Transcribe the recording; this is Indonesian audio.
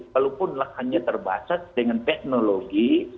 walaupun lahannya terbatas dengan teknologi